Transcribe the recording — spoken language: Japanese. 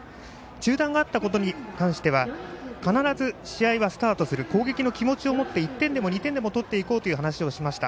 中断があったことに関しては必ず試合がスタートする攻撃の気持ちを持って１点でも２点でも取っていこうという話をしました。